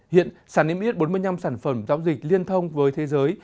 hiện sản niệm ít bốn mươi năm sản phẩm giao dịch liên thông với thế giới